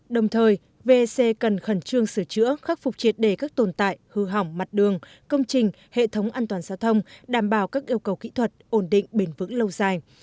đồng thời vec cần khẩn trương sửa chữa khắc phục triệt đề các tồn tại hư hỏng mặt đường công trình hệ thống an toàn giao thông đảm bảo các yêu cầu kỹ thuật ổn định bền vững lâu dài